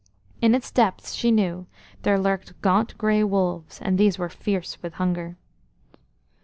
In its depths, she knew, there lurked gaunt grey wolves, and these were fierce with hunger.